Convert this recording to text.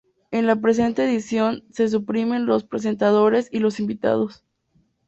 En la presente edición se suprimen los presentadores y los invitados.